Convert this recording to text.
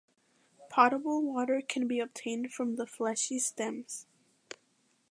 Potable water can be obtained from the fleshy stems.